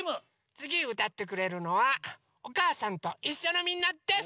つぎうたってくれるのは「おかあさんといっしょ」のみんなです！